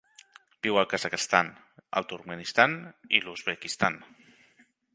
Viu al Kazakhstan, el Turkmenistan i l'Uzbekistan.